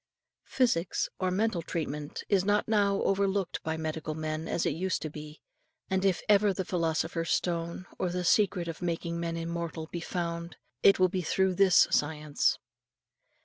Psychics, or mental treatment, is not now overlooked by medical men as it used to be; and if ever the philosopher's stone, or the secret of making men immortal, be found, it will be through this science.